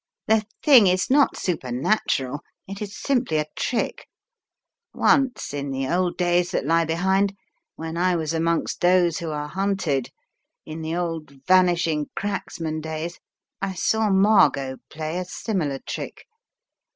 The thing is not supernatural, it is simply a trick. Once, in the old days that lie behind, when I was amongst those who are hunted, in the old ' vanishing cracks man' days, I saw Margot play a similar trick.